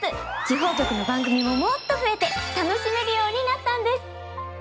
地方局の番組ももっと増えて楽しめるようになったんです。